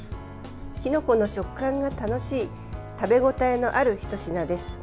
きのこの食感が楽しい食べ応えのあるひと品です。